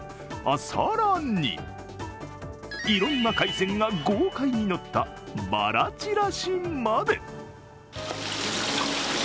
更に、いろんな海鮮が豪快に乗ったばらちらしまで。